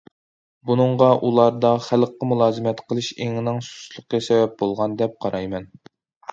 بۇنىڭغا ئۇلاردا خەلققە مۇلازىمەت قىلىش ئېڭىنىڭ سۇسلۇقى سەۋەب بولغان، دەپ قارايمەن.